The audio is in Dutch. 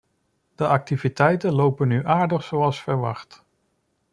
De activiteiten lopen nu aardig zoals verwacht.